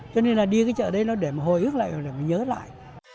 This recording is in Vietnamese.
cho nên là đi cái chợ đấy nó để mà hồi ước lại để mà nhớ lại